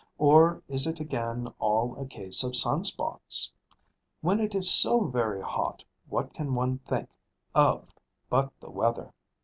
or is it again all a case of sun spots? When it is so very hot, what can one think of but the weather?